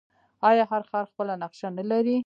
آیا هر ښار خپله نقشه نلري؟